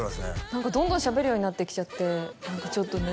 何かどんどんしゃべるようになってきちゃってちょっとね